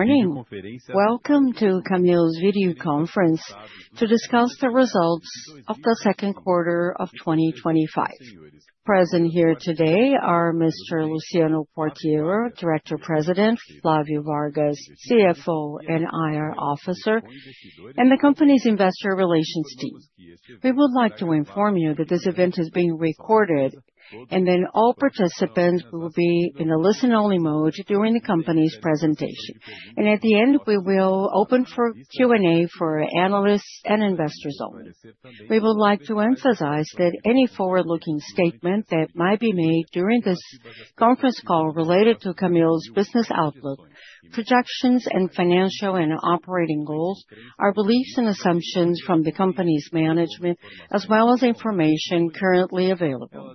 Morning. Welcome to Camil's video conference to discuss the Results of the Second Quarter of 2025. Present here today are Mr. Luciano Quartiero, Director-President, Flavio Vargas, CFO and IR Officer, and the company's Investor Relations Team. We would like to inform you that this event is being recorded, and then all participants will be in a listen-only mode during the company's presentation, and at the end, we will open for Q&A for analysts and investors only. We would like to emphasize that any forward-looking statement that might be made during this conference call related to Camil's business outlook, projections, and financial and operating goals are beliefs and assumptions from the company's management, as well as information currently available.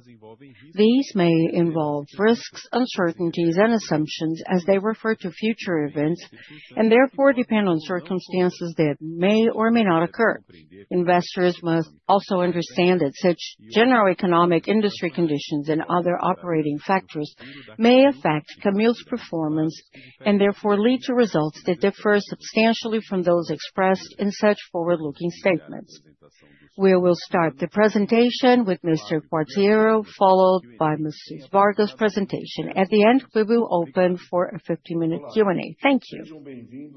These may involve risks, uncertainties, and assumptions as they refer to future events and therefore depend on circumstances that may or may not occur. Investors must also understand that such general economic industry conditions and other operating factors may affect Camil's performance and therefore lead to results that differ substantially from those expressed in such forward-looking statements. We will start the presentation with Mr. Quartiero, followed by Mr. Vargas' presentation. At the end, we will open for a 50-minute Q&A. Thank you.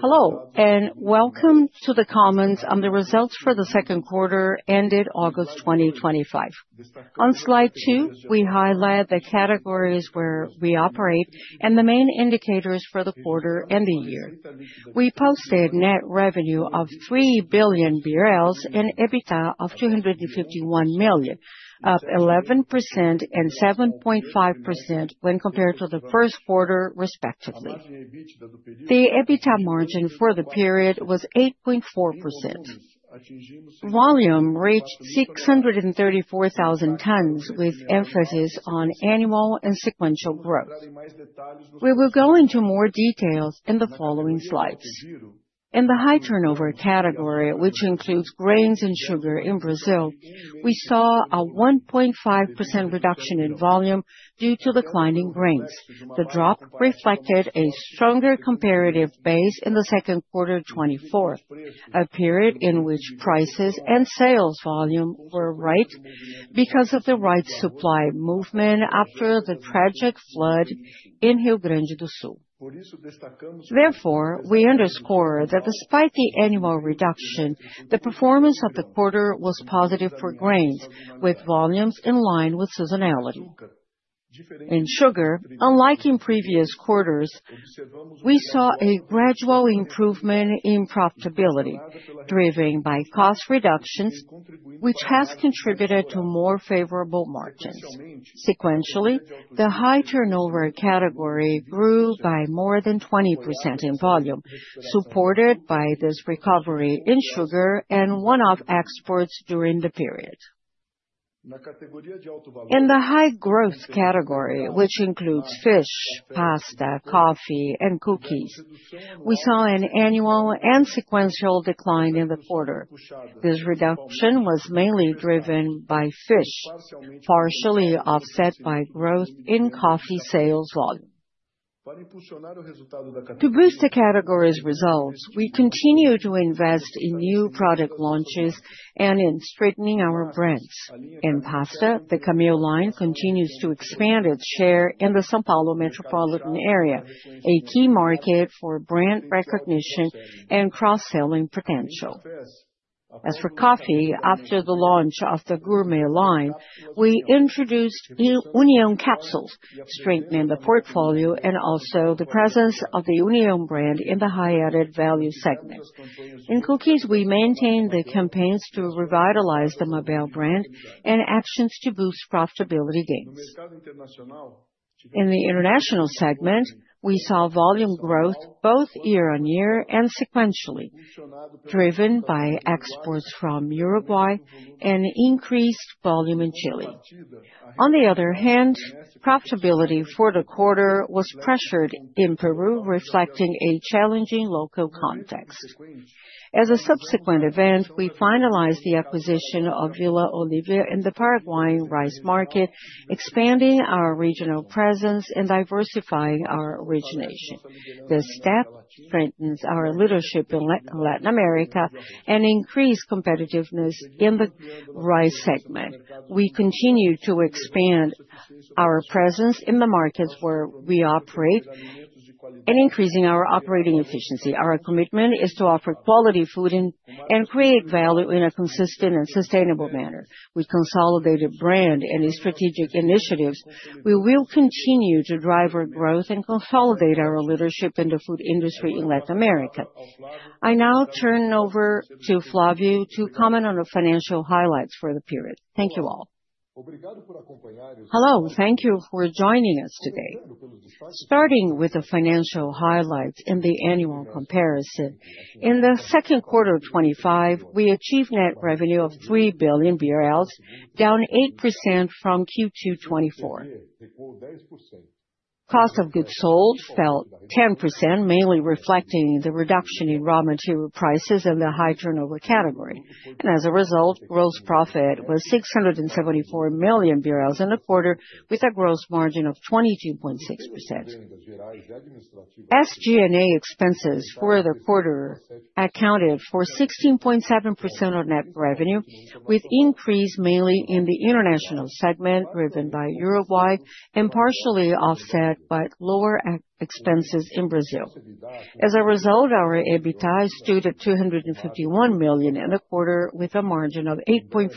Hello, and welcome to the comments on the results for the second quarter ended August 2025. On slide two, we highlight the categories where we operate and the main indicators for the quarter and the year. We posted net revenue of 3 billion BRL and EBITDA of 251 million, up 11% and 7.5% when compared to the first quarter, respectively. The EBITDA margin for the period was 8.4%. Volume reached 634,000 tons, with emphasis on annual and sequential growth. We will go into more details in the following slides. In the high turnover category, which includes grains and sugar in Brazil, we saw a 1.5% reduction in volume due to the decline in grains. The drop reflected a stronger comparative base in the second quarter 2024, a period in which prices and sales volume were right because of the right supply movement after the tragic flood in Rio Grande do Sul. Therefore, we underscore that despite the annual reduction, the performance of the quarter was positive for grains, with volumes in line with seasonality. In sugar, unlike in previous quarters, we saw a gradual improvement in profitability, driven by cost reductions, which has contributed to more favorable margins. Sequentially, the high turnover category grew by more than 20% in volume, supported by this recovery in sugar and one-off exports during the period. In the high growth category, which includes fish, pasta, coffee, and cookies, we saw an annual and sequential decline in the quarter. This reduction was mainly driven by fish, partially offset by growth in coffee sales volume. To boost the category's results, we continue to invest in new product launches and in strengthening our brands. In pasta, the Camil line continues to expand its share in the São Paulo metropolitan area, a key market for brand recognition and cross-selling potential. As for coffee, after the launch of the Gourmet line, we introduced União capsules, strengthening the portfolio and also the presence of the União brand in the high-added value segment. In cookies, we maintained the campaigns to revitalize the Mabel brand and actions to boost profitability gains. In the international segment, we saw volume growth both year on year and sequentially, driven by exports from Uruguay and increased volume in Chile. On the other hand, profitability for the quarter was pressured in Peru, reflecting a challenging local context. As a subsequent event, we finalized the acquisition of Villa Oliva in the Paraguayan rice market, expanding our regional presence and diversifying our origination. This step strengthens our leadership in Latin America and increases competitiveness in the rice segment. We continue to expand our presence in the markets where we operate and increase our operating efficiency. Our commitment is to offer quality food and create value in a consistent and sustainable manner. We consolidated brand and strategic initiatives. We will continue to drive our growth and consolidate our leadership in the food industry in Latin America. I now turn over to Flavio to comment on the financial highlights for the period. Thank you all. Hello, thank you for joining us today. Starting with the financial highlights in the annual comparison. In the second quarter 2025, we achieved net revenue of 3 billion BRL, down 8% from Q2 2024. Cost of goods sold fell 10%, mainly reflecting the reduction in raw material prices in the high turnover category, and as a result, gross profit was 674 million BRL in the quarter, with a gross margin of 22.6%. SG&A expenses for the quarter accounted for 16.7% of net revenue, with increase mainly in the international segment driven by Uruguay and partially offset by lower expenses in Brazil. As a result, our EBITDA stood at 251 million in the quarter, with a margin of 8.4%.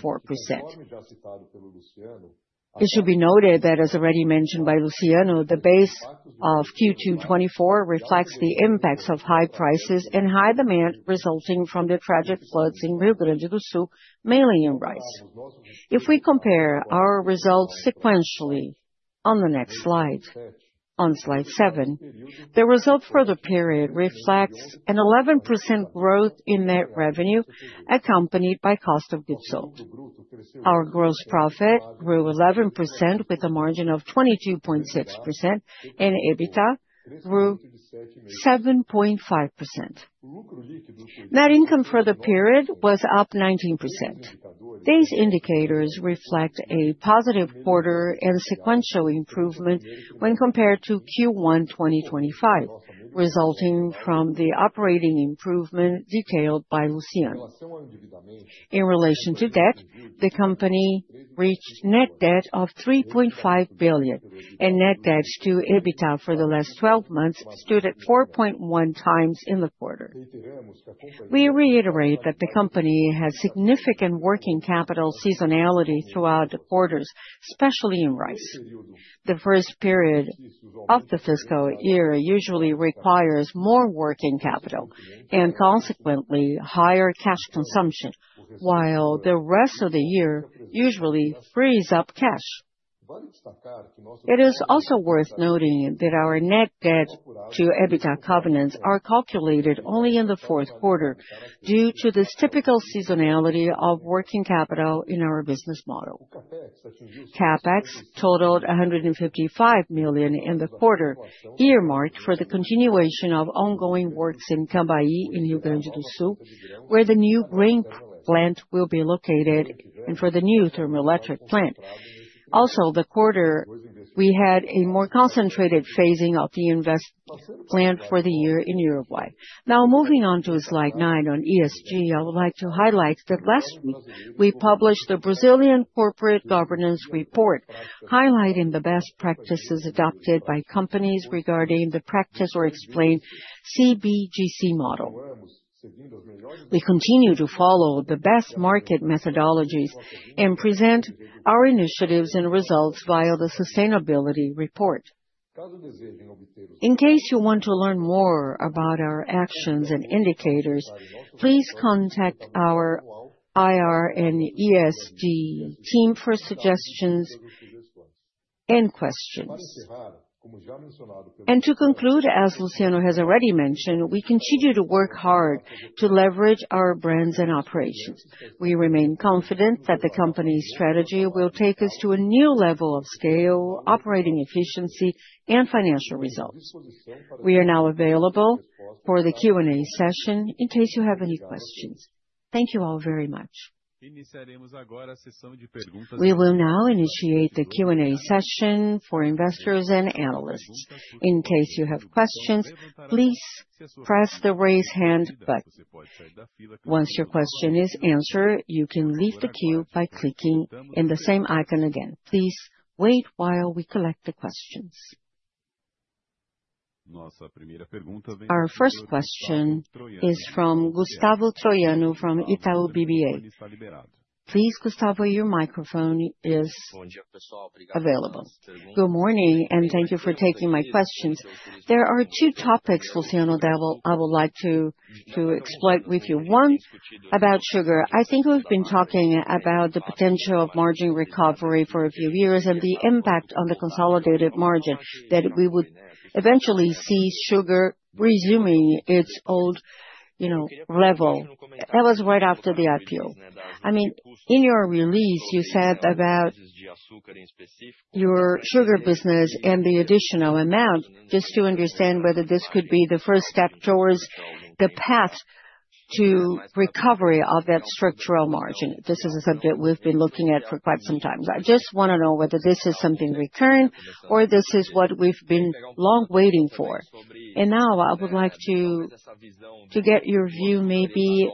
It should be noted that, as already mentioned by Luciano, the base of Q2 2024 reflects the impacts of high prices and high demand resulting from the tragic floods in Rio Grande do Sul, mainly in rice. If we compare our results sequentially on the next slide, on slide seven, the result for the period reflects an 11% growth in net revenue accompanied by cost of goods sold. Our gross profit grew 11% with a margin of 22.6%, and EBITDA grew 7.5%. Net income for the period was up 19%. These indicators reflect a positive quarter and sequential improvement when compared to Q1 2025, resulting from the operating improvement detailed by Luciano. In relation to debt, the company reached net debt of 3.5 billion, and net debt to EBITDA for the last 12 months stood at 4.1 times in the quarter. We reiterate that the company has significant working capital seasonality throughout the quarters, especially in rice. The first period of the fiscal year usually requires more working capital and consequently higher cash consumption, while the rest of the year usually frees up cash. It is also worth noting that our net debt to EBITDA covenants are calculated only in the fourth quarter due to this typical seasonality of working capital in our business model. CapEx totaled 155 million in the quarter, earmarked for the continuation of ongoing works in Camaquã in Rio Grande do Sul, where the new grain plant will be located, and for the new thermal electric plant. Also, in the quarter, we had a more concentrated phasing of the investment plan for the year in Uruguay. Now, moving on to slide nine on ESG, I would like to highlight that last week we published the Brazilian Corporate Governance Report, highlighting the best practices adopted by companies regarding the Practice or Explain CBGC model. We continue to follow the best market methodologies and present our initiatives and results via the sustainability report. In case you want to learn more about our actions and indicators, please contact our IR and ESG team for suggestions and questions. And to conclude, as Luciano has already mentioned, we continue to work hard to leverage our brands and operations. We remain confident that the company's strategy will take us to a new level of scale, operating efficiency, and financial results. We are now available for the Q&A session in case you have any questions. Thank you all very much. We will now initiate the Q&A session for investors and analysts. In case you have questions, please press the raise hand button. Once your question is answered, you can leave the queue by clicking in the same icon again. Please wait while we collect the questions. Our first question is from Gustavo Troyano from Itaú BBA. Please, Gustavo, your microphone is available. Good morning, and thank you for taking my questions. There are two topics, Luciano, that I would like to explain with you. One about sugar. I think we've been talking about the potential of margin recovery for a few years and the impact on the consolidated margin, that we would eventually see sugar resuming its old level. That was right after the IPO. I mean, in your release, you said about your sugar business and the additional amount, just to understand whether this could be the first step towards the path to recovery of that structural margin. This is a subject we've been looking at for quite some time. I just want to know whether this is something recurring or this is what we've been long waiting for? And now I would like to get your view, maybe,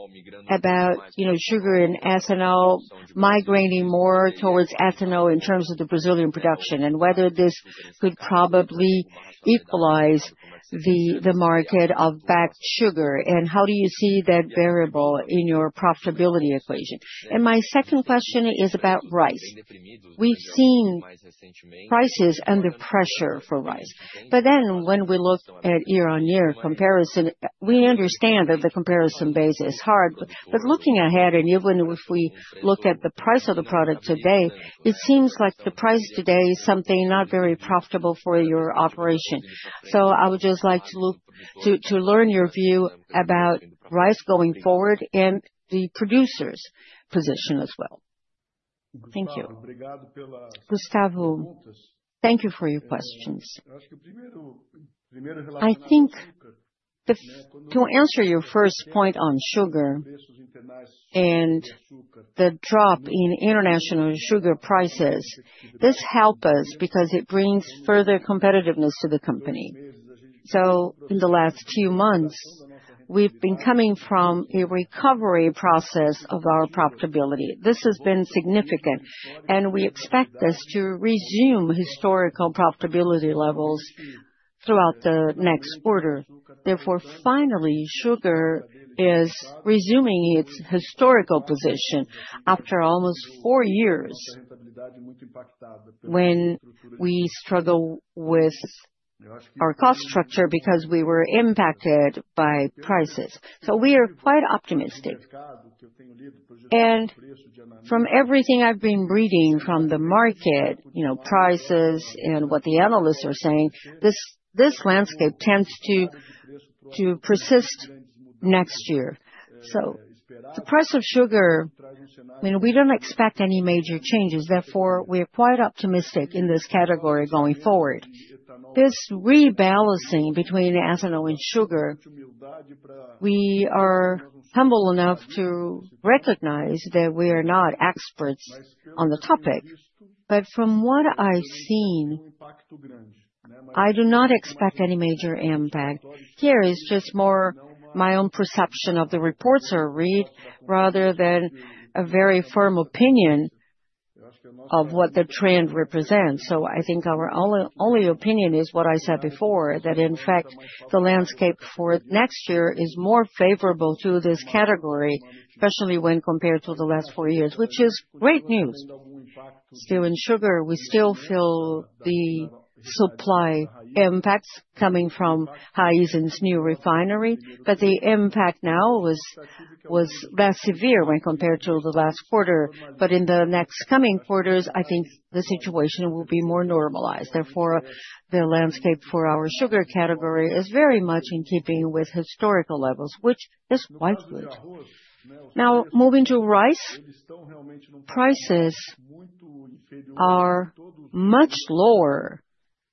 about sugar and ethanol migrating more toward ethanol in terms of the Brazilian production and whether this could probably equalize the market of bagged sugar. And how do you see that variable in your profitability equation? And my second question is about rice. We've seen prices under pressure for rice. But then when we look at year-on-year comparison, we understand that the comparison base is hard. But looking ahead and even if we look at the price of the product today, it seems like the price today is something not very profitable for your operation. So I would just like to learn your view about rice going forward and the producers' position as well. Thank you. Gustavo, thank you for your questions. I think to answer your first point on sugar and the drop in international sugar prices, this helps us because it brings further competitiveness to the company. So in the last few months, we've been coming from a recovery process of our profitability. This has been significant, and we expect this to resume historical profitability levels throughout the next quarter. Therefore, finally, sugar is resuming its historical position after almost four years when we struggle with our cost structure because we were impacted by prices. So we are quite optimistic. And from everything I've been reading from the market, you know, prices and what the analysts are saying, this landscape tends to persist next year. So the price of sugar, I mean, we don't expect any major changes. Therefore, we are quite optimistic in this category going forward. This rebalancing between ethanol and sugar, we are humble enough to recognize that we are not experts on the topic. But from what I've seen, I do not expect any major impact. Here is just more my own perception of the reports I read rather than a very firm opinion of what the trend represents. So I think our only opinion is what I said before, that in fact, the landscape for next year is more favorable to this category, especially when compared to the last four years, which is great news. Still, in sugar, we still feel the supply impacts coming from Raízen's new refinery, but the impact now was less severe when compared to the last quarter. But in the next coming quarters, I think the situation will be more normalized. Therefore, the landscape for our sugar category is very much in keeping with historical levels, which is quite good. Now, moving to rice, prices are much lower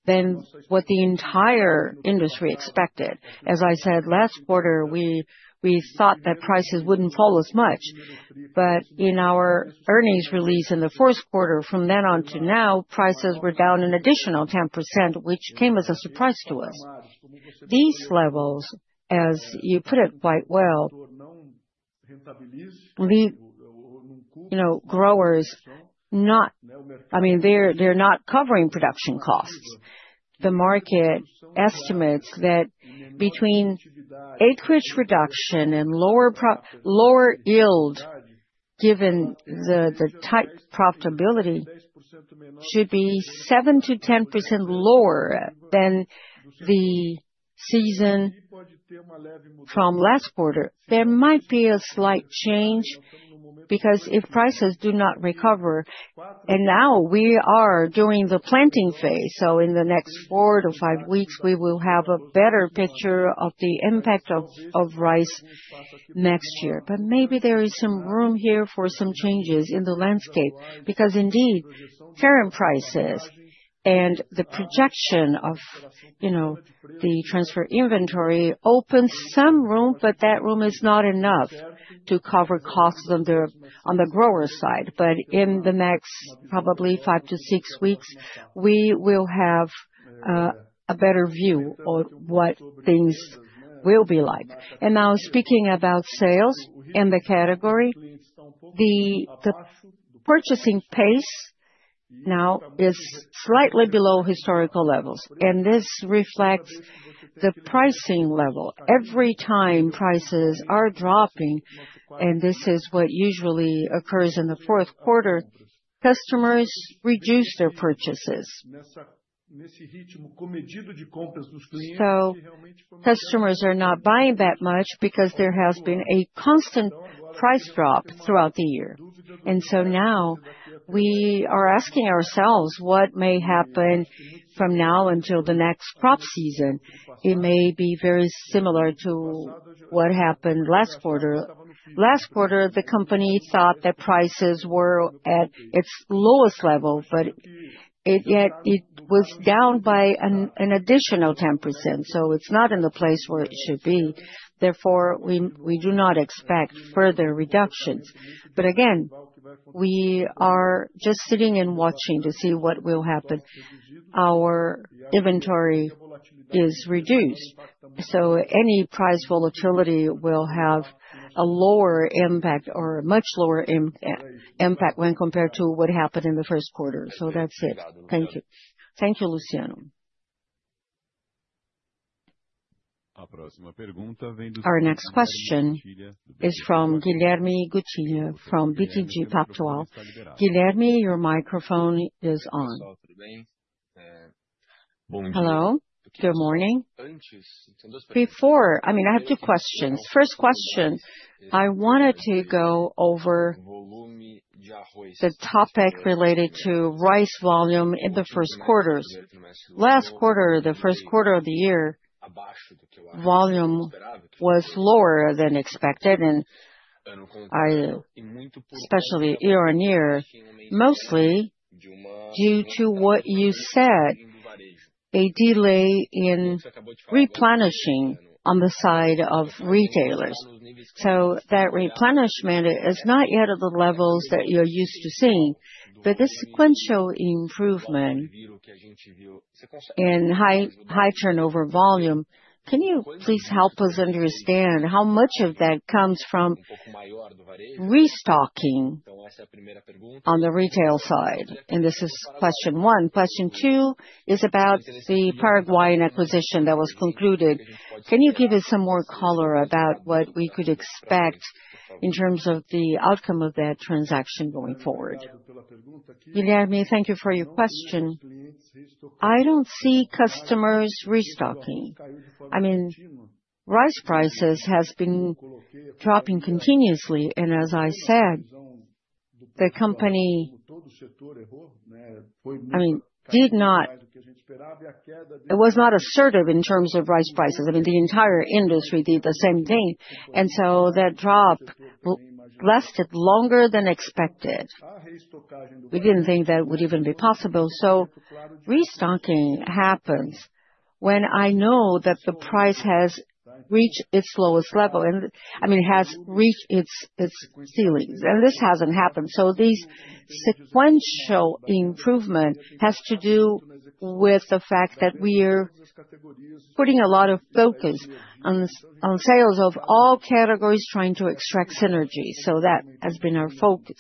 than what the entire industry expected. As I said, last quarter, we thought that prices wouldn't fall as much. But in our earnings release in the fourth quarter, from then on to now, prices were down an additional 10%, which came as a surprise to us. These levels, as you put it quite well, leave growers, I mean, they're not covering production costs. The market estimates that between acreage reduction and lower yield, given the tight profitability, should be 7%-10% lower than the season from last quarter. There might be a slight change because if prices do not recover, and now we are doing the planting phase, so in the next four to five weeks, we will have a better picture of the impact of rice next year. But maybe there is some room here for some changes in the landscape because indeed, current prices and the projection of, you know, the transfer inventory opens some room, but that room is not enough to cover costs on the grower side. But in the next probably five to six weeks, we will have a better view of what things will be like. And now, speaking about sales in the category, the purchasing pace now is slightly below historical levels, and this reflects the pricing level. Every time prices are dropping, and this is what usually occurs in the fourth quarter, customers reduce their purchases. So customers are not buying that much because there has been a constant price drop throughout the year. And so now we are asking ourselves what may happen from now until the next crop season. It may be very similar to what happened last quarter. Last quarter, the company thought that prices were at its lowest level, but yet it was down by an additional 10%. So it's not in the place where it should be. Therefore, we do not expect further reductions. But again, we are just sitting and watching to see what will happen. Our inventory is reduced. So any price volatility will have a lower impact or a much lower impact when compared to what happened in the first quarter. So that's it. Thank you. Thank you, Luciano. Our next question is from Guilherme Guttilla from BTG Pactual. Guilherme, your microphone is on. Hello? Good morning. Before, I mean, I have two questions. First question, I wanted to go over the topic related to rice volume in the first quarters. Last quarter, the first quarter of the year, volume was lower than expected, and especially year on year, mostly due to what you said, a delay in replenishing on the side of retailers. So that replenishment is not yet at the levels that you're used to seeing, but this sequential improvement in high turnover volume, can you please help us understand how much of that comes from restocking on the retail side? And this is question one. Question two is about the Paraguayan acquisition that was concluded. Can you give us some more color about what we could expect in terms of the outcome of that transaction going forward? Guilherme, thank you for your question. I don't see customers restocking. I mean, rice prices have been dropping continuously, and as I said, the company, I mean, did not, it was not assertive in terms of rice prices. I mean, the entire industry did the same thing, and so that drop lasted longer than expected. We didn't think that would even be possible, so restocking happens when I know that the price has reached its lowest level, and I mean, it has reached its ceilings, and this hasn't happened, so this sequential improvement has to do with the fact that we are putting a lot of focus on sales of all categories trying to extract synergy, so that has been our focus.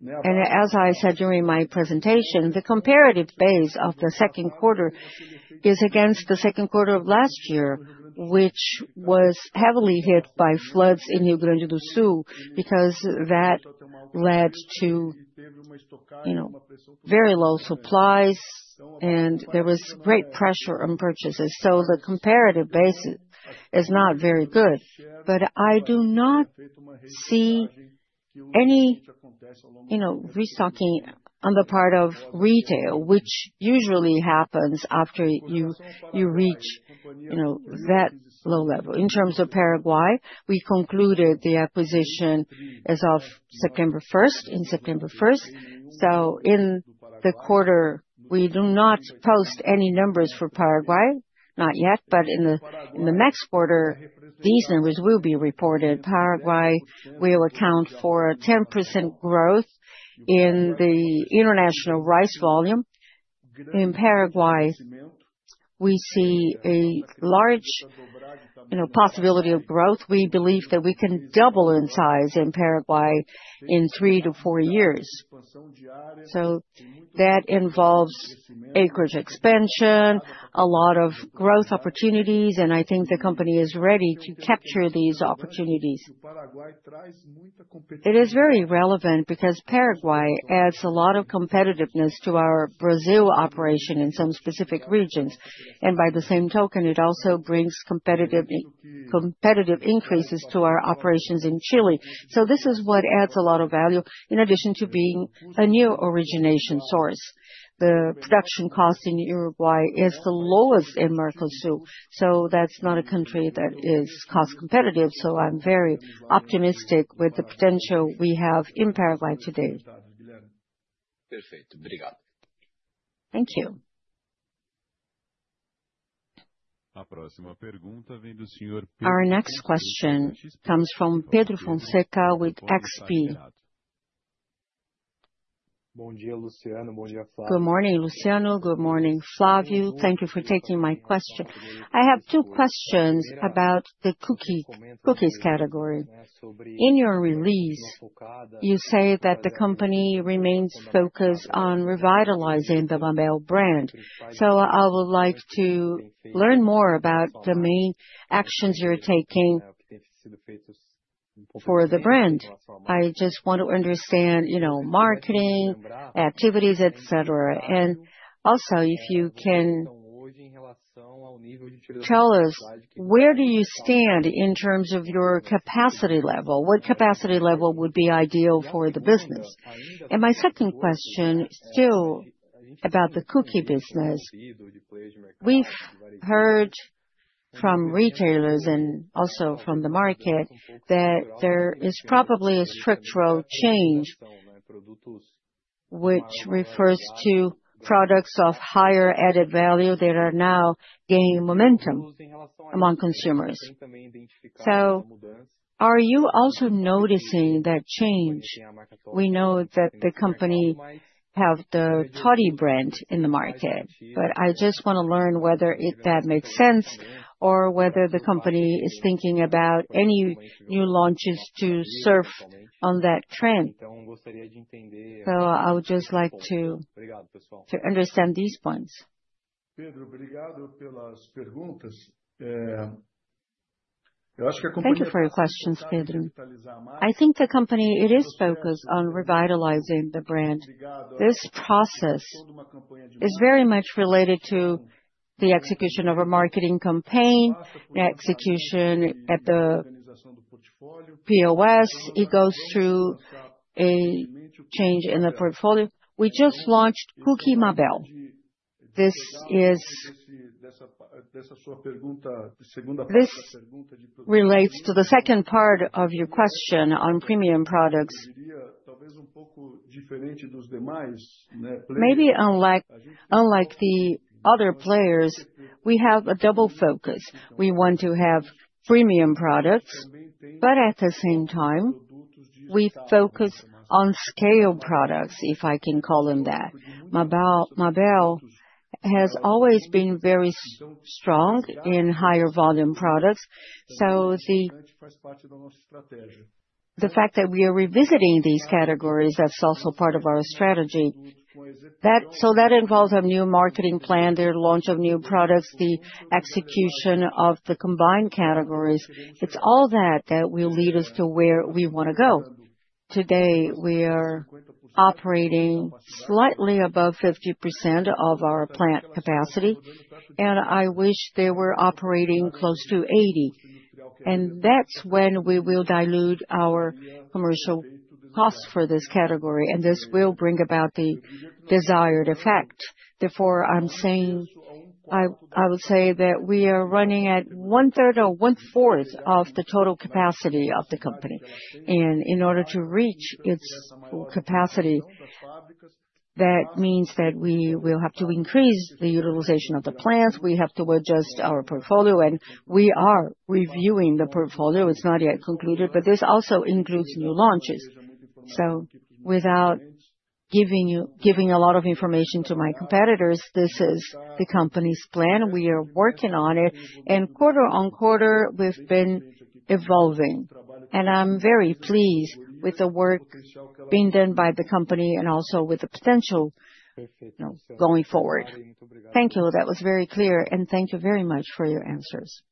And as I said during my presentation, the comparative base of the second quarter is against the second quarter of last year, which was heavily hit by floods in Rio Grande do Sul because that led to very low supplies, and there was great pressure on purchases. So the comparative basis is not very good, but I do not see any restocking on the part of retail, which usually happens after you reach that low level. In terms of Paraguay, we concluded the acquisition as of September 1st, in September 1st. So in the quarter, we do not post any numbers for Paraguay, not yet, but in the next quarter, these numbers will be reported. Paraguay, we will account for a 10% growth in the international rice volume. In Paraguay, we see a large possibility of growth. We believe that we can double in size in Paraguay in three to four years, so that involves acreage expansion, a lot of growth opportunities, and I think the company is ready to capture these opportunities. It is very relevant because Paraguay adds a lot of competitiveness to our Brazil operation in some specific regions, and by the same token, it also brings competitive increases to our operations in Chile, so this is what adds a lot of value in addition to being a new origination source. The production cost in Uruguay is the lowest in Mercosur, so that's not a country that is cost competitive, so I'm very optimistic with the potential we have in Paraguay today. Thank you. Our next question comes from Pedro Fonseca with XP. Bom dia, Luciano. Bom dia, Flávio. Good morning, Luciano. Good morning, Flávio. Thank you for taking my question. I have two questions about the cookies category. In your release, you say that the company remains focused on revitalizing the Mabel brand. So I would like to learn more about the main actions you're taking for the brand. I just want to understand, you know, marketing, activities, etc. And also, if you can tell us where do you stand in terms of your capacity level, what capacity level would be ideal for the business? And my second question still about the cookie business. We've heard from retailers and also from the market that there is probably a structural change, which refers to products of higher added value that are now gaining momentum among consumers. So are you also noticing that change? We know that the company has the Toddy brand in the market, but I just want to learn whether that makes sense or whether the company is thinking about any new launches to surf on that trend. So I would just like to understand these points. Thank you for your questions, Pedro. I think the company is focused on revitalizing the brand. This process is very much related to the execution of a marketing campaign, execution at the POS. It goes through a change in the portfolio. We just launched Cookie Mabel. This is related to the second part of your question on premium products. Maybe unlike the other players, we have a double focus. We want to have premium products, but at the same time, we focus on scale products, if I can call them that. Mabel has always been very strong in higher volume products. So the fact that we are revisiting these categories, that's also part of our strategy, so that involves a new marketing plan, their launch of new products, the execution of the combined categories. It's all that will lead us to where we want to go. Today, we are operating slightly above 50% of our plant capacity, and I wish they were operating close to 80%. And that's when we will dilute our commercial costs for this category, and this will bring about the desired effect. Therefore, I'm saying I would say that we are running at one third or one fourth of the total capacity of the company, and in order to reach its capacity, that means that we will have to increase the utilization of the plants. We have to adjust our portfolio, and we are reviewing the portfolio. It's not yet concluded, but this also includes new launches. So without giving you a lot of information to my competitors, this is the company's plan. We are working on it, and quarter on quarter, we've been evolving, and I'm very pleased with the work being done by the company and also with the potential going forward. Thank you. That was very clear, and thank you very much for your answers.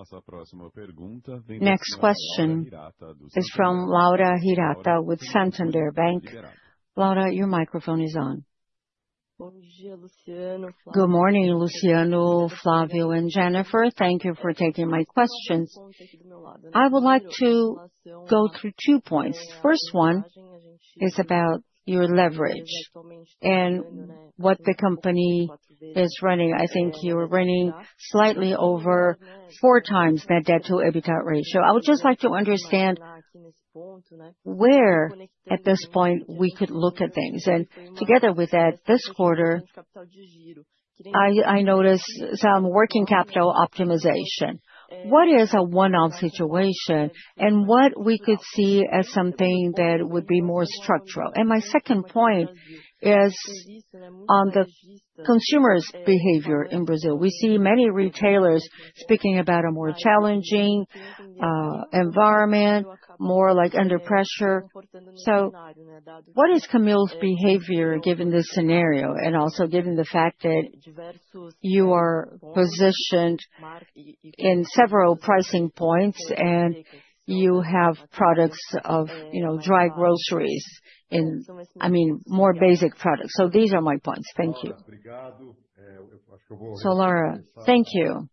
Next question is from Laura Hirata with Santander Bank. Laura, your microphone is on. Good morning, Luciano, Flávio, and Jennifer. Thank you for taking my questions. I would like to go through two points. First one is about your leverage and what the company is running. I think you're running slightly over four times net debt to EBITDA ratio. I would just like to understand where, at this point, we could look at things. And together with that, this quarter, I noticed some working capital optimization. What is a one-off situation and what we could see as something that would be more structural? And my second point is on the consumer's behavior in Brazil. We see many retailers speaking about a more challenging environment, more like under pressure. So what is Camil's behavior given this scenario and also given the fact that you are positioned in several pricing points and you have products of dry groceries in, I mean, more basic products? So these are my points. Thank you. So, Laura, thank you.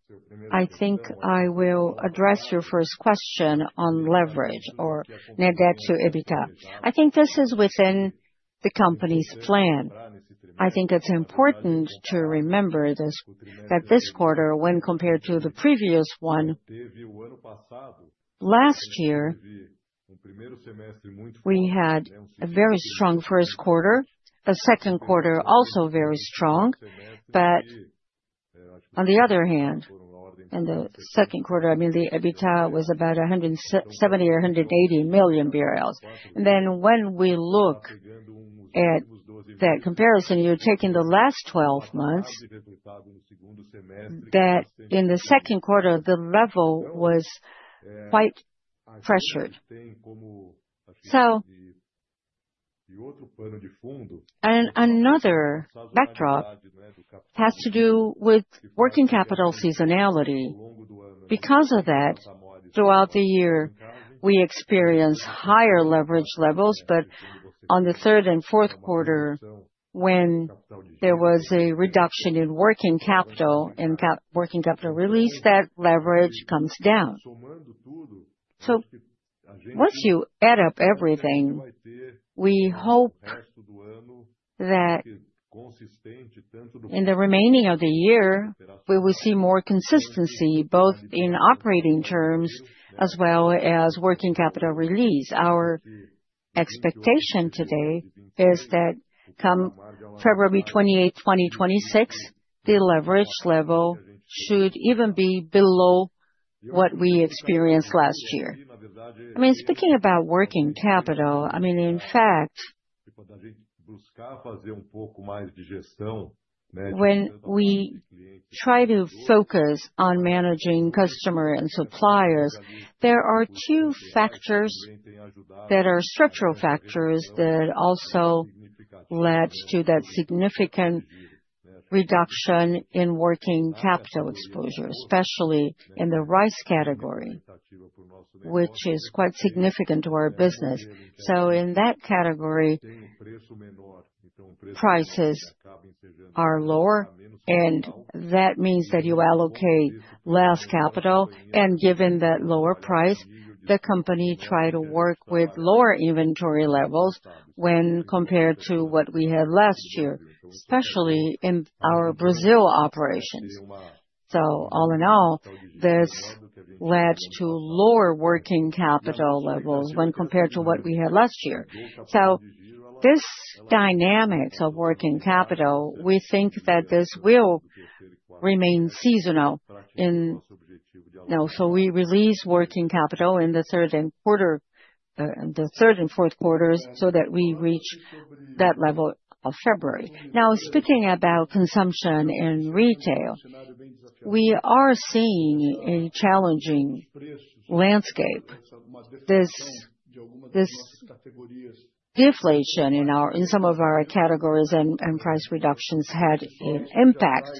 I think I will address your first question on leverage or net debt to EBITDA. I think this is within the company's plan. I think it's important to remember that this quarter, when compared to the previous one, last year, we had a very strong first quarter, a second quarter also very strong, but on the other hand, in the second quarter, I mean, the EBITDA was about 170 million-180 million BRL. And then when we look at that comparison, you're taking the last 12 months, that in the second quarter, the level was quite pressured. So another backdrop has to do with working capital seasonality. Because of that, throughout the year, we experience higher leverage levels, but on the third and fourth quarter, when there was a reduction in working capital and working capital release, that leverage comes down. So once you add up everything, we hope that in the remaining of the year, we will see more consistency both in operating terms as well as working capital release. Our expectation today is that come February 28, 2026, the leverage level should even be below what we experienced last year. I mean, speaking about working capital, I mean, in fact, when we try to focus on managing customers and suppliers, there are two factors that are structural factors that also led to that significant reduction in working capital exposure, especially in the rice category, which is quite significant to our business, so in that category, prices are lower, and that means that you allocate less capital, and given that lower price, the company tried to work with lower inventory levels when compared to what we had last year, especially in our Brazil operations, so all in all, this led to lower working capital levels when compared to what we had last year, so this dynamic of working capital, we think that this will remain seasonal. So we release working capital in the third and fourth quarters so that we reach that level of February. Now, speaking about consumption and retail, we are seeing a challenging landscape. This deflation in some of our categories and price reductions had an impact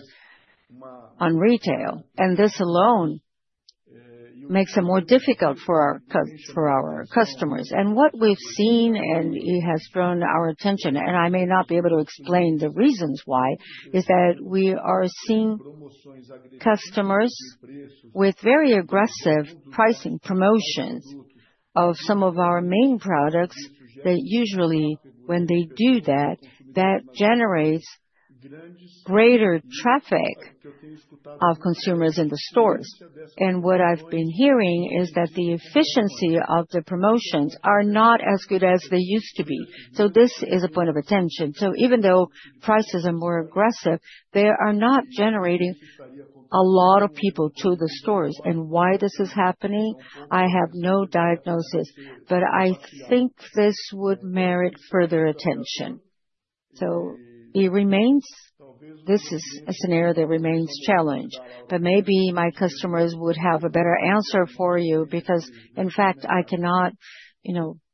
on retail. And this alone makes it more difficult for our customers. And what we've seen, and it has drawn our attention, and I may not be able to explain the reasons why, is that we are seeing customers with very aggressive pricing promotions of some of our main products that usually, when they do that, that generates greater traffic of consumers in the stores. And what I've been hearing is that the efficiency of the promotions is not as good as they used to be. So this is a point of attention. So even though prices are more aggressive, they are not generating a lot of people to the stores, and why this is happening, I have no diagnosis, but I think this would merit further attention, so this is a scenario that remains challenged, but maybe my customers would have a better answer for you because, in fact, I cannot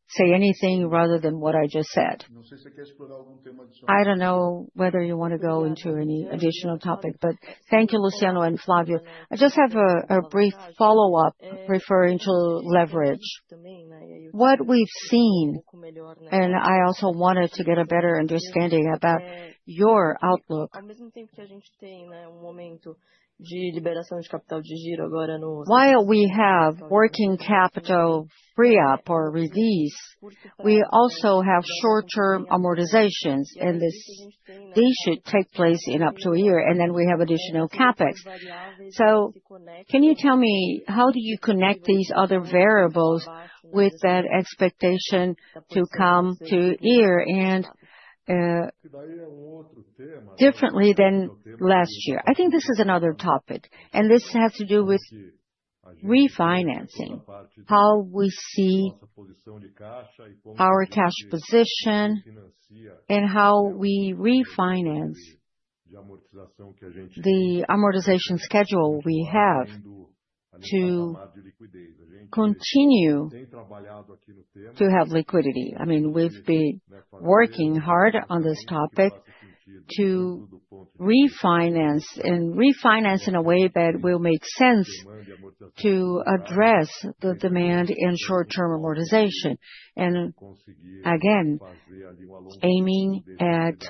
say anything rather than what I just said. I don't know whether you want to go into any additional topic, but thank you, Luciano and Flávio. I just have a brief follow-up referring to leverage. What we've seen, and I also wanted to get a better understanding about your outlook, while we have working capital free-up or release, we also have short-term amortizations, and they should take place in up to a year, and then we have additional CapEx. So can you tell me how do you connect these other variables with that expectation to come to a year-end differently than last year? I think this is another topic, and this has to do with refinancing, how we see our cash position and how we refinance the amortization schedule we have to continue to have liquidity. I mean, we've been working hard on this topic to refinance and refinance in a way that will make sense to address the demand in short-term amortization. And again, aiming at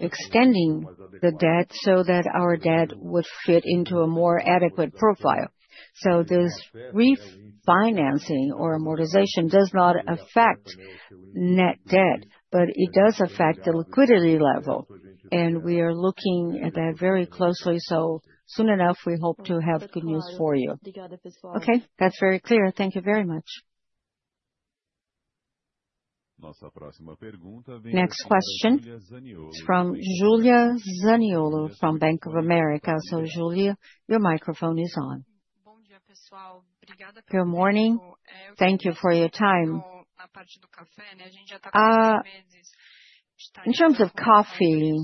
extending the debt so that our debt would fit into a more adequate profile. So this refinancing or amortization does not affect Net Debt, but it does affect the liquidity level, and we are looking at that very closely. So soon enough, we hope to have good news for you. Okay, that's very clear. Thank you very much. Next question is from Julia Zaniolo from Bank of America. So Julia, your microphone is on. Good morning. Thank you for your time. In terms of coffee,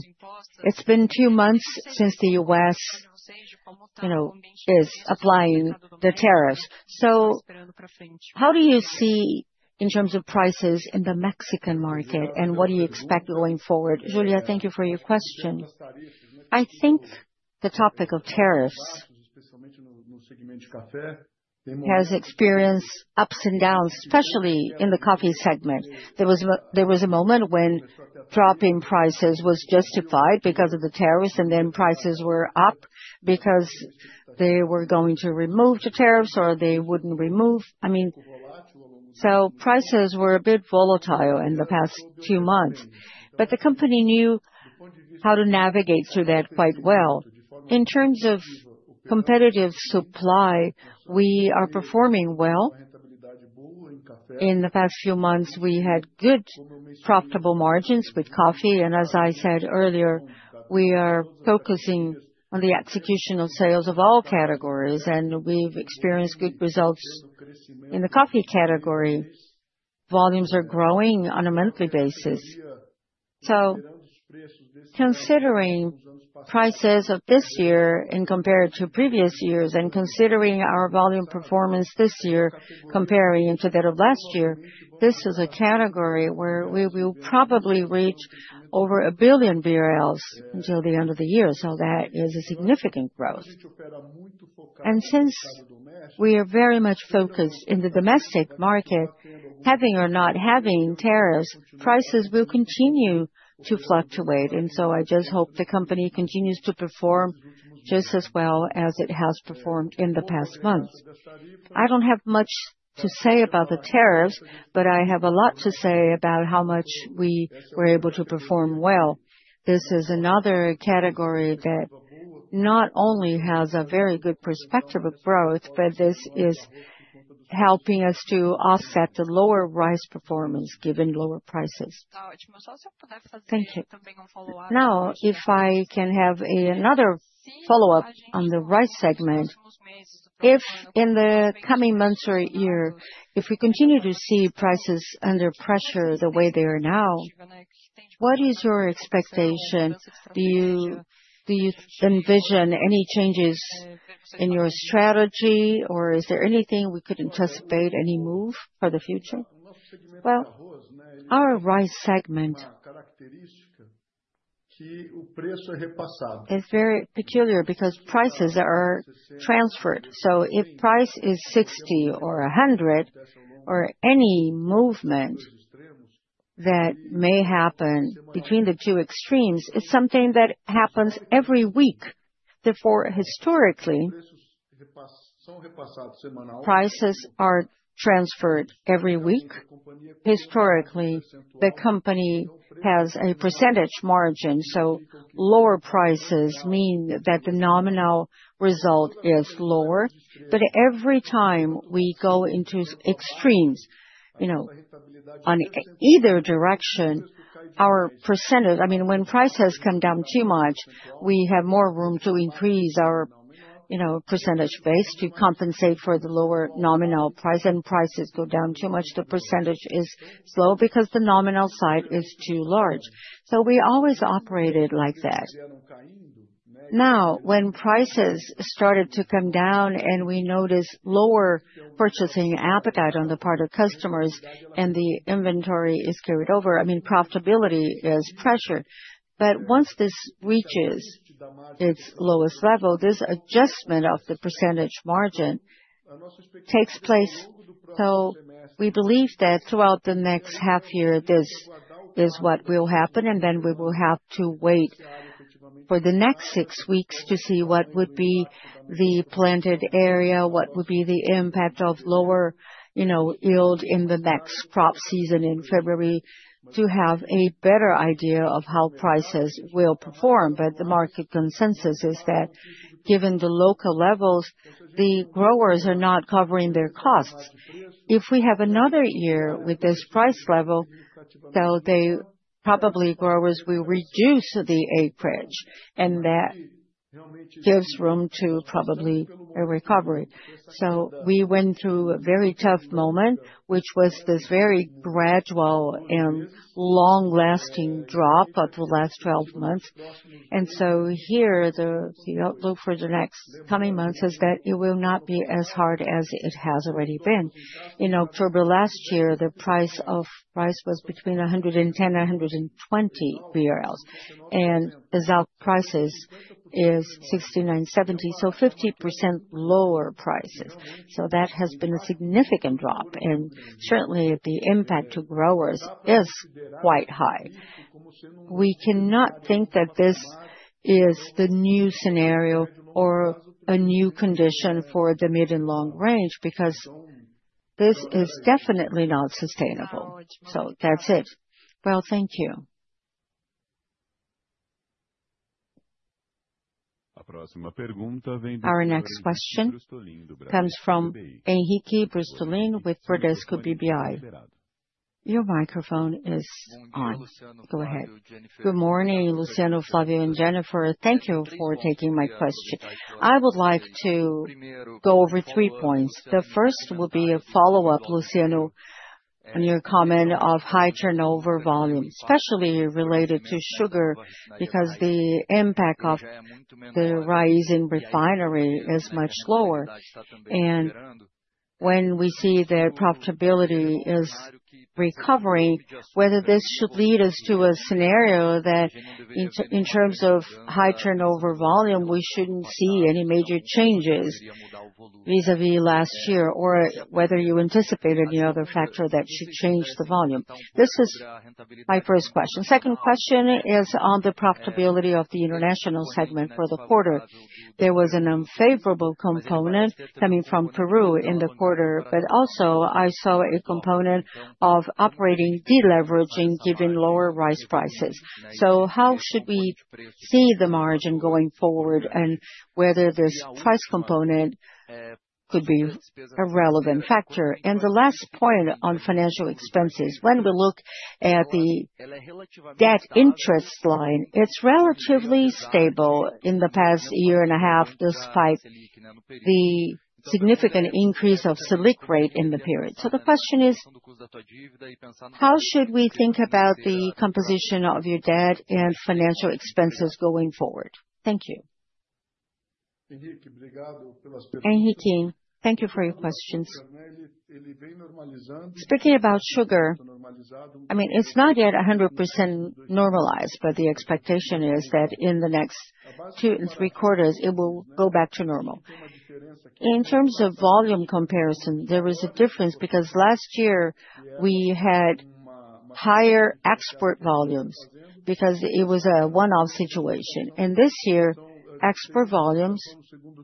it's been two months since the U.S. is applying the tariffs. So how do you see in terms of prices in the Mexican market, and what do you expect going forward? Julia, thank you for your question. I think the topic of tariffs has experienced ups and downs, especially in the coffee segment. There was a moment when dropping prices was justified because of the tariffs, and then prices were up because they were going to remove the tariffs or they wouldn't remove. I mean, so prices were a bit volatile in the past two months, but the company knew how to navigate through that quite well. In terms of competitive supply, we are performing well. In the past few months, we had good profitable margins with coffee, and as I said earlier, we are focusing on the execution of sales of all categories, and we've experienced good results in the coffee category. Volumes are growing on a monthly basis. So considering prices of this year in comparison to previous years and considering our volume performance this year comparing to that of last year, this is a category where we will probably reach over 1 billion BRL until the end of the year. So that is a significant growth. And since we are very much focused in the domestic market, having or not having tariffs, prices will continue to fluctuate. And so I just hope the company continues to perform just as well as it has performed in the past months. I don't have much to say about the tariffs, but I have a lot to say about how much we were able to perform well. This is another category that not only has a very good perspective of growth, but this is helping us to offset the lower rice performance given lower prices. Thank you. Now, if I can have another follow-up on the rice segment, if in the coming months or year, if we continue to see prices under pressure the way they are now, what is your expectation? Do you envision any changes in your strategy, or is there anything we could anticipate, any move for the future? Well, our rice segment is very peculiar because prices are transferred. So if price is 60 or 100 or any movement that may happen between the two extremes, it's something that happens every week. Therefore, historically, prices are transferred every week. Historically, the company has a percentage margin, so lower prices mean that the nominal result is lower, but every time we go into extremes on either direction, our percentage, I mean, when prices come down too much, we have more room to increase our percentage base to compensate for the lower nominal price, and prices go down too much, the percentage is low because the nominal side is too large, so we always operated like that. Now, when prices started to come down and we noticed lower purchasing appetite on the part of customers and the inventory is carried over, I mean, profitability is pressured, but once this reaches its lowest level, this adjustment of the percentage margin takes place. So we believe that throughout the next half year, this is what will happen, and then we will have to wait for the next six weeks to see what would be the planted area, what would be the impact of lower yield in the next crop season in February to have a better idea of how prices will perform. But the market consensus is that given the local levels, the growers are not covering their costs. If we have another year with this price level, so they probably growers will reduce the acreage, and that gives room to probably a recovery. So we went through a very tough moment, which was this very gradual and long-lasting drop of the last 12 months. And so here, the outlook for the next coming months is that it will not be as hard as it has already been. In October last year, the price of rice was between 110 BRL-BRL 120, and the price is 69-BRL70, so 50% lower prices. So that has been a significant drop, and certainly the impact to growers is quite high. We cannot think that this is the new scenario or a new condition for the mid and long range because this is definitely not sustainable. So that's it. Well, thank you. Our next question comes from Henrique Brustolin with Bradesco BBI. Your microphone is on. Go ahead. Good morning, Luciano, Flávio, and Jennifer. Thank you for taking my question. I would like to go over three points. The first will be a follow-up, Luciano, on your comment of high turnover volume, especially related to sugar because the impact of the rise in refinery is much lower. And when we see that profitability is recovering, whether this should lead us to a scenario that in terms of high turnover volume, we shouldn't see any major changes vis-à-vis last year or whether you anticipate any other factor that should change the volume? This is my first question. Second question is on the profitability of the international segment for the quarter. There was an unfavorable component coming from Peru in the quarter, but also I saw a component of operating deleveraging given lower rice prices. So how should we see the margin going forward and whether this price component could be a relevant factor? And the last point on financial expenses, when we look at the debt interest line, it's relatively stable in the past year and a half despite the significant increase of Selic rate in the period. So the question is, how should we think about the composition of your debt and financial expenses going forward? Thank you. Henrique, thank you for your questions. Speaking about sugar, I mean, it's not yet 100% normalized, but the expectation is that in the next two and three quarters, it will go back to normal. In terms of volume comparison, there is a difference because last year we had higher export volumes because it was a one-off situation. And this year, export volumes,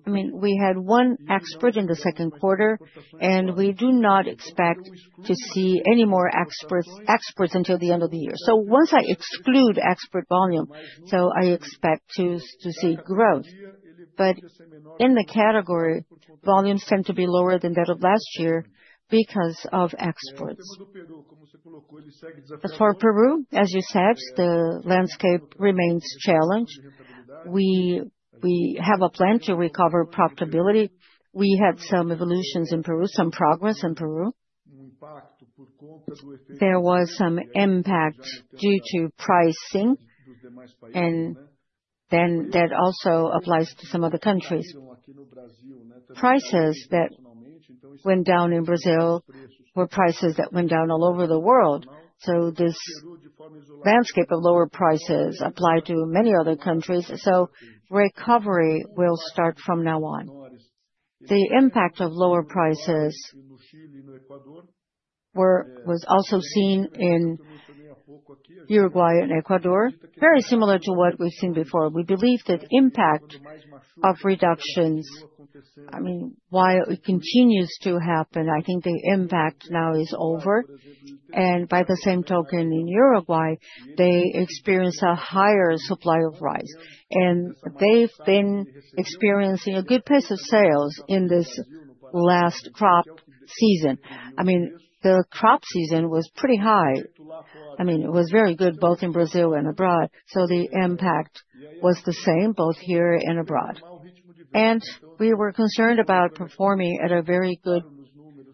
I mean, we had one export in the second quarter, and we do not expect to see any more exports until the end of the year. So once I exclude export volume, I expect to see growth. But in the category, volumes tend to be lower than that of last year because of exports. As for Peru, as you said, the landscape remains challenged. We have a plan to recover profitability. We had some evolutions in Peru, some progress in Peru. There was some impact due to pricing, and then that also applies to some other countries. Prices that went down in Brazil were prices that went down all over the world. So this landscape of lower prices applied to many other countries. So recovery will start from now on. The impact of lower prices was also seen in Uruguay and Ecuador, very similar to what we've seen before. We believe that impact of reductions, I mean, while it continues to happen, I think the impact now is over. And by the same token, in Uruguay, they experience a higher supply of rice, and they've been experiencing a good pace of sales in this last crop season. I mean, the crop season was pretty high. I mean, it was very good both in Brazil and abroad, so the impact was the same both here and abroad, and we were concerned about performing at a very good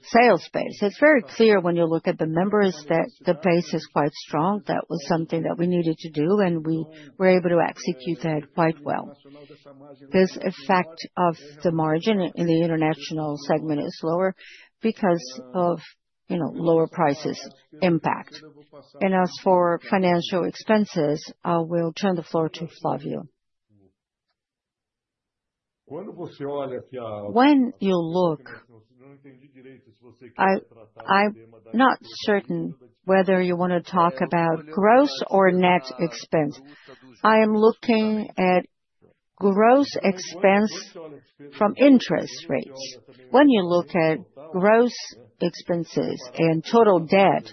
sales pace. It's very clear when you look at the numbers that the pace is quite strong. That was something that we needed to do, and we were able to execute that quite well. This effect of the margin in the international segment is lower because of lower prices impact, and as for financial expenses, I will turn the floor to Flávio. When you look, I'm not certain whether you want to talk about gross or net expense. I am looking at gross expense from interest rates. When you look at gross expenses and total debt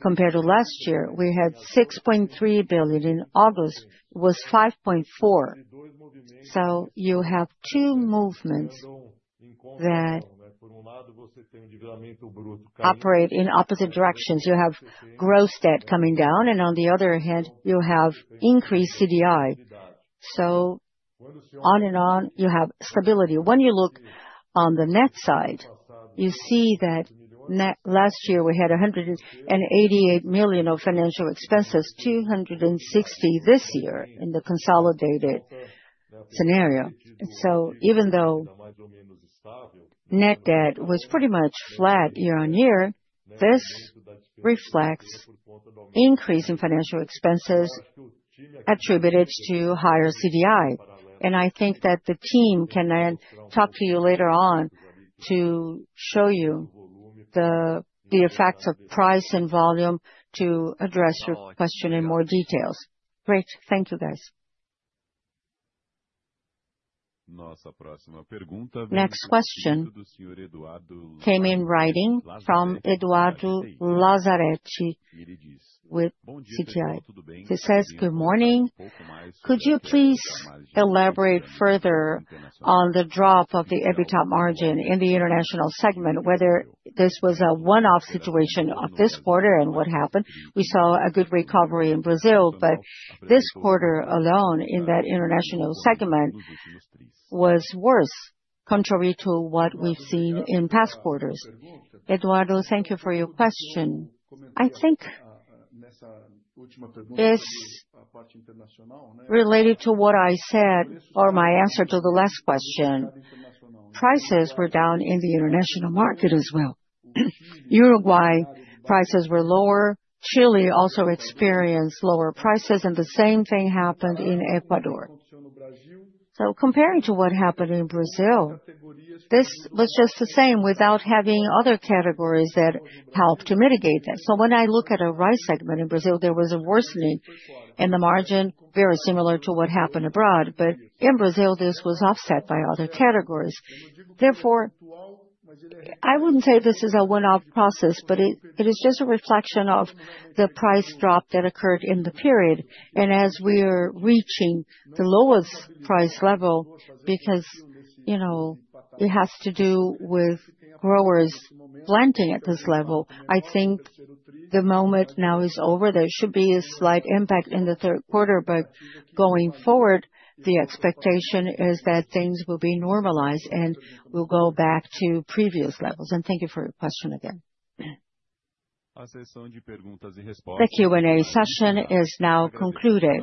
compared to last year, we had 6.3 billion in August. It was 5.4, so you have two movements that operate in opposite directions. You have gross debt coming down, and on the other hand, you have increased CDI. So on and on, you have stability. When you look on the net side, you see that last year we had 188 million of financial expenses, 260 million this year in the consolidated scenario. So even though net debt was pretty much flat year on year, this reflects an increase in financial expenses attributed to higher CDI. And I think that the team can then talk to you later on to show you the effects of price and volume to address your question in more details. Great. Thank you, guys. Next question came in writing from Eduardo Lazzaretti with GTI. He says, "Good morning. Could you please elaborate further on the drop of the EBITDA margin in the international segment, whether this was a one-off situation of this quarter and what happened? We saw a good recovery in Brazil, but this quarter alone in that international segment was worse contrary to what we've seen in past quarters." Eduardo, thank you for your question. I think it's related to what I said or my answer to the last question. Prices were down in the international market as well. Uruguay prices were lower. Chile also experienced lower prices, and the same thing happened in Ecuador. So comparing to what happened in Brazil, this was just the same without having other categories that helped to mitigate that. So when I look at a rice segment in Brazil, there was a worsening in the margin, very similar to what happened abroad, but in Brazil, this was offset by other categories. Therefore, I wouldn't say this is a one-off process, but it is just a reflection of the price drop that occurred in the period. As we are reaching the lowest price level, because it has to do with growers planting at this level, I think the moment now is over. There should be a slight impact in the third quarter, but going forward, the expectation is that things will be normalized and will go back to previous levels. Thank you for your question again. The Q&A session is now concluded.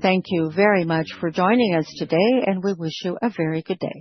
Thank you very much for joining us today, and we wish you a very good day.